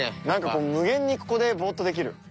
なんか無限にここでぼーっとできる。